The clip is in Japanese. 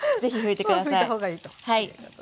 拭いた方がいいということですね。